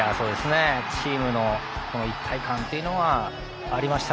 チームの一体感はありました。